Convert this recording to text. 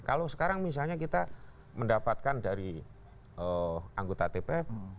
kalau sekarang misalnya kita mendapatkan dari anggota tpf